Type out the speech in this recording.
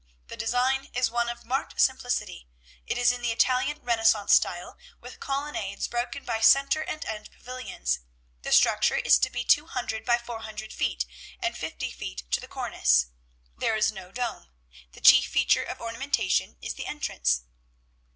The design is one of marked simplicity. It is in the Italian renaissance style, with colonnades, broken by centre and end pavilions. The structure is to be 200 × 400 feet, and 50 feet to the cornice. There is no dome. The chief feature of ornamentation is the entrance.'